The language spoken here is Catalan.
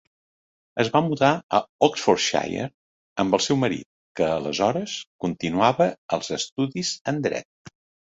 Es va mudar a Oxfordshire amb el seu marit, que aleshores continuava els estudis en dret.